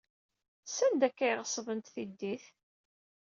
Sanda akka ay ɣeṣbent tiddit?